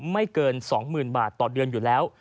ไม่เกิน๒๐๐๐บาทต่อเดือนอยู่แล้ว